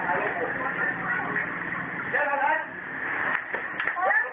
ถ้าให้คุณอี๋เอาต้องหลวนมาคุยสุด